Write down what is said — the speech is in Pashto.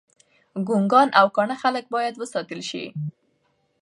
ګنګان او کاڼه خلګ باید وستایل شي.